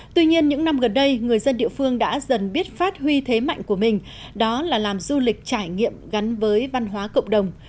tuy nhiên những năm gần đây người dân địa phương đã dần biết phát huy thế mạnh của mình đó là làm du lịch trải nghiệm gắn với văn hóa cộng đồng